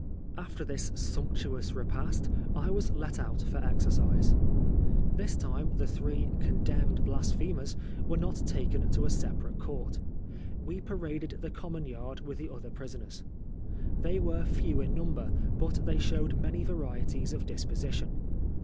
After this sumptuous repast I was let out for exercise. This time the three " condemned " blasphemers were not taken to a separate court. We paraded the common yard with the other prisoners. They were few in number, but they showed many varieties of disposition.